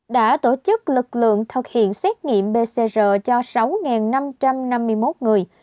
đã tổ chức lực lượng thực hiện xét nghiệm pcr cho sáu năm trăm năm mươi một người